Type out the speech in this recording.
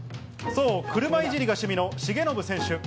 そう、車いじりが趣味の重信選手。